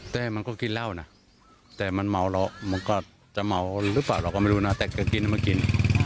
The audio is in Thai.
แต่มันก็กินเหล้านะแต่มันเมาแล้วมันก็จะเมาหรือเปล่าเราก็ไม่รู้นะแต่แกกินมากิน